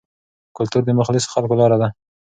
کلتور د مخلصو خلکو لاره ده.